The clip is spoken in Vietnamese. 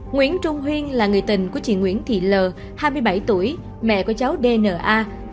nguyễn trung huyên là người tình của chị nguyễn thị l hai mươi bảy tuổi mẹ của cháu dna